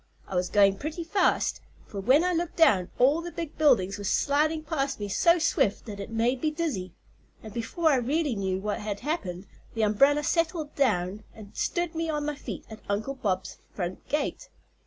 I was going pretty fast, for when I looked down, all the big buildings were sliding past me so swift that it made me dizzy, and before I really knew what had happened the umbrella settled down and stood me on my feet at Uncle Bob's front gate.